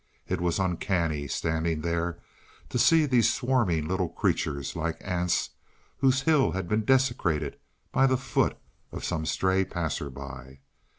It was uncanny, standing there, to see these swarming little creatures, like ants whose hill had been desecrated by the foot of some stray passer by.